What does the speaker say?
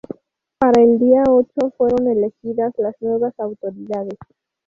Para el día ocho fueron elegidas las nuevas autoridades.